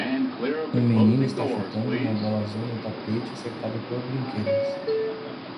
Um menino está chutando uma bola azul no tapete cercado por brinquedos.